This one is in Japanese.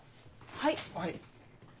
はい。